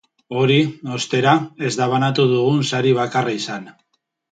Hori, ostera, ez da banatu dugun sari bakarra izan.